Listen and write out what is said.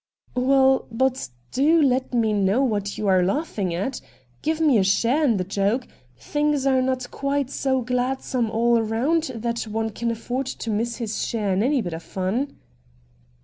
' Well, but do let me know what you are laughing at. Give me a share in the joke. Things are not quite so gladsome all round that one can afford to miss his share in any bit of fun.'